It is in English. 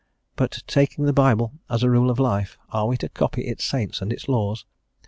But taking the Bible as a rule of life, are we to copy its saints and its laws?